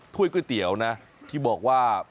ก๋วยเตี๋ยวนะที่บอกว่า